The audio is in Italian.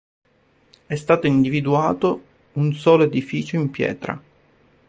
È stato individuato un solo edificio in pietra.